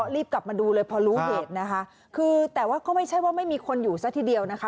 รีบกลับมาดูเลยพอรู้เหตุนะคะคือแต่ว่าก็ไม่ใช่ว่าไม่มีคนอยู่ซะทีเดียวนะคะ